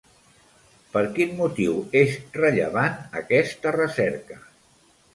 Per quin motiu és rellevant aquesta recerca?